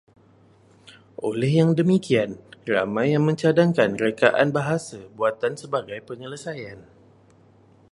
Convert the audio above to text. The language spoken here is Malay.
Oleh yang demikian, ramai yang mencadangkan rekaan bahasa buatan sebagai penyelesaian